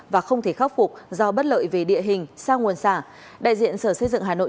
và không thể khắc phục do bất lợi về địa hình sang nguồn xả đại diện sở xây dựng hà nội